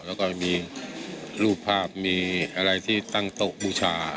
แล้วก็มีรูปภาพมีอะไรที่ตั้งโต๊ะบูชา